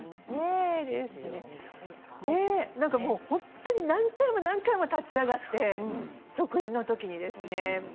本当に何回も何回も立ち上がって食事の時に。